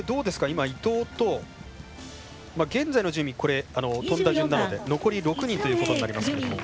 今、伊藤と現在の順位飛んだ順なので残り６人ということになりますけれども。